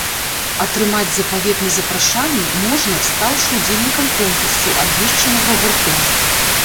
Атрымаць запаветны запрашальны можна, стаўшы ўдзельнікам конкурсу, абвешчанага гуртом.